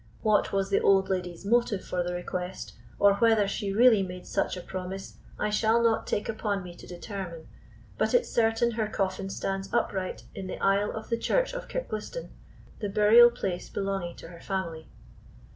What was the old lady's motive for the request, or whether she really made such a promise, I shall not take upon me to determine; but it's certain her coffin stands upright in the isle of the church of Kirklistown, the burial place belonging to the family."